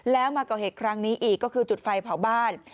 แล้วมาก่อเหตุครั้งนี้อีกก็คือจุดไฟเผาบ้าน